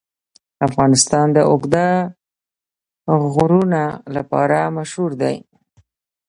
افغانستان د اوږده غرونه لپاره مشهور دی.